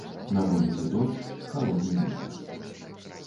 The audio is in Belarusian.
На вуліцы дождж, халодны вецер.